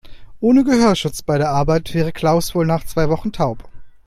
Ohne Gehörschutz bei der Arbeit wäre Klaus wohl nach zwei Wochen taub.